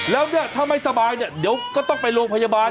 แล้วเนี่ยถ้าไม่สบายเนี่ยเดี๋ยวก็ต้องไปโรงพยาบาล